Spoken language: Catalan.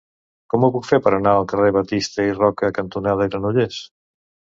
Com ho puc fer per anar al carrer Batista i Roca cantonada Granollers?